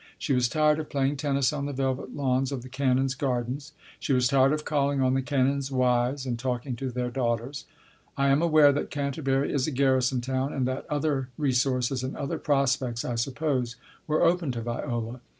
She was tired of playing tennis on the velvet lawns of the Canons' gardens ; she was tired of calling on the Canons' wives and talking to their daughters. I am aware that Canterbury is a garrison town and that other resources, and other prospects, I suppose, were open to Viola.